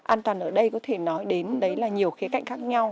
an toàn ở đây có thể nói đến đấy là nhiều khía cạnh khác nhau